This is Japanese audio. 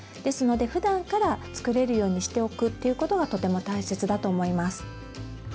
ですのでふだんから作れるようにしておくということがとても大切だと思います。